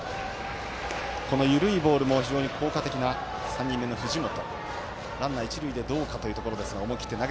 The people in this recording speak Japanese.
緩いボールも非常に効果的な３人目の藤本。